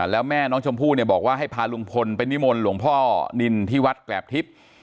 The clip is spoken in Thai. แล้วแม่น้องชมพู่เนี่ยบอกว่าให้พาลุงพลไปนิมนต์หลวงพ่อนินที่วัดแกรบทิพย์